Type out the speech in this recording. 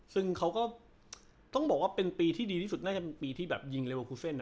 ซึ่งเขาก็ต้องบอกว่าเป็นปีที่ดีที่สุดน่าจะเป็นปีที่แบบยิงเลเวอร์คูเซ่น